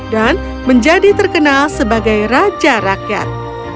dan menjadi terkenal sebagai raja rakyat